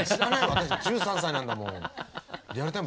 私１３歳なんだもん。